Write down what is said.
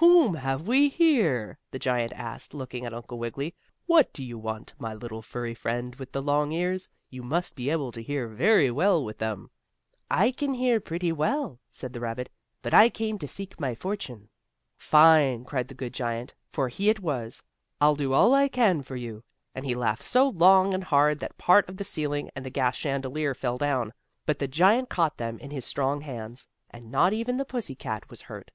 Whom have we here?" the giant asked, looking at Uncle Wiggily. "What do you want, my little furry friend with the long ears? You must be able to hear very well with them." "I can hear pretty well," said the rabbit. "But I came to seek my fortune." "Fine," cried the good giant, for he it was. "I'll do all I can for you," and he laughed so long and hard that part of the ceiling and the gas chandelier fell down, but the giant caught them in his strong hands, and not even the pussy cat was hurt.